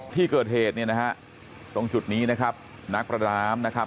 ที่เกิดเหตุเนี่ยนะฮะตรงจุดนี้นะครับนักประดาน้ำนะครับ